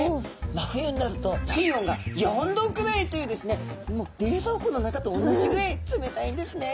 真冬になると水温が４℃くらいというですね冷蔵庫の中とおんなじぐらい冷たいんですね。